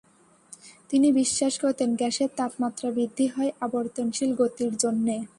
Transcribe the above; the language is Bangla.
তিনি বিশ্বাস করতেন গ্যাসের তাপমাত্রা বৃদ্ধি হয় আবর্তনশীল গতির জন্যে।